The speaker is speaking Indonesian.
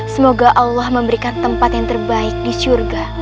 semoga allah memberikan tempat yang terbaik di surga